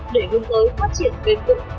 để hướng tới phát triển bền vững